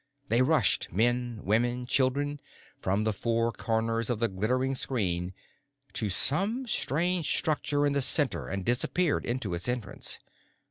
They rushed, men, women, children, from the four corners of the glittering screen to some strange structure in the center and disappeared into its entrance.